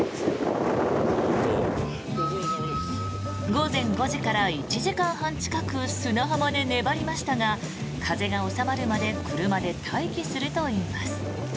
午前５時から１時間半近く砂浜で粘りましたが風が収まるまで車で待機するといいます。